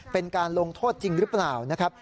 เป็นการลงโทษจริงหรือเปล่านะครับ